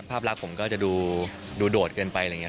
ภาพรักผมก็ดูโดดเกินไป